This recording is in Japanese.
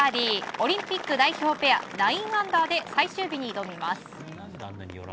オリンピック代表ペア９アンダーで最終日に挑みます。